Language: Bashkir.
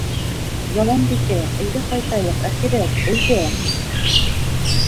— Яланбикә, әйҙә ҡайтайыҡ, әхирәт, әйҙә.